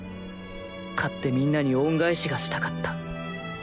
勝ってみんなに恩返しがしたかった。